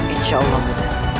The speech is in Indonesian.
insya allah bu